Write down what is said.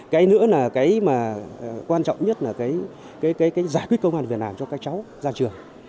cái nữa là cái quan trọng nhất là giải quyết công an việt nam cho các cháu ra trường